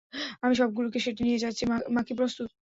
আমি সবগুলিকে সেটে নিয়ে যাচ্ছি, মা কি প্রস্তুত?